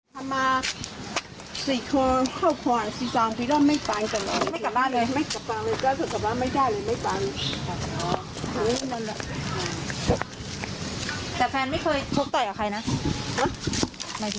ทำงานจะมันมีเรื่องอะไรกับใครนะ